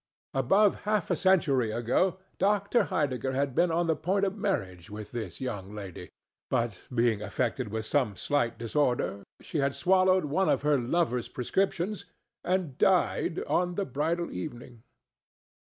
Above half a century ago Dr. Heidegger had been on the point of marriage with this young lady, but, being affected with some slight disorder, she had swallowed one of her lover's prescriptions and died on the bridal evening.